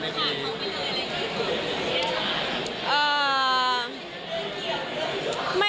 มีอะไรที่คุณคิดดีกว่า